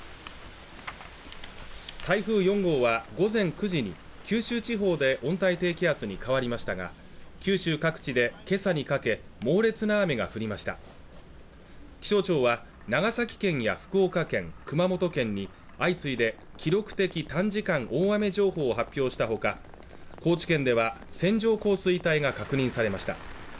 台風４号は午前９時に九州地方で温帯低気圧に変わりましたが九州各地で今朝にかけ猛烈な雨が降りました気象庁は長崎県や福岡県、熊本県に相次いで記録的短時間大雨情報を発表したほか高知県では線状降水帯が確認されました